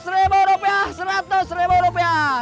seratus ribu rupiah seratus ribu rupiah